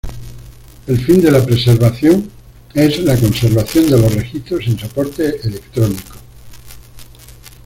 El fin de la preservación es la conservación de los registros en soporte electrónico.